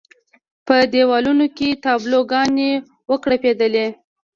په دېوالونو کې تابلو ګانې وکړپېدلې.